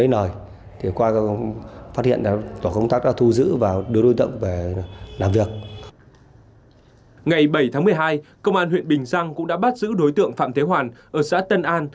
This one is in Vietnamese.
ngày bảy tháng một mươi hai công an huyện bình giang cũng đã bắt giữ đối tượng phạm thế hoàn ở xã tân an